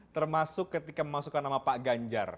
termasuk ketika memasukkan nama pak ganjar